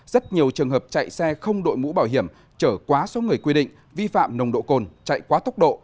rất nhiều trường hợp chạy xe không đội mũ bảo hiểm trở quá số người quy định vi phạm nồng độ cồn chạy quá tốc độ